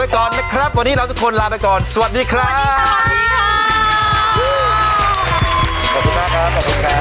ขอบคุณมากครับขอบคุณครับ